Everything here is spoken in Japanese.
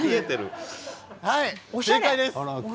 正解です。